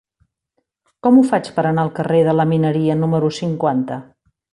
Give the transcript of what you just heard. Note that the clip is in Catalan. Com ho faig per anar al carrer de la Mineria número cinquanta?